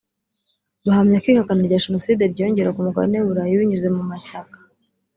Bahamya ko ihakana rya jenoside ryiyongera ku mugabane w’u Burayi binyuze mu mashyaka